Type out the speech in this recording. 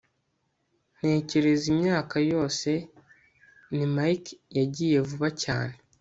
Ntekereza imyaka yose ni mike yagiye vuba cyane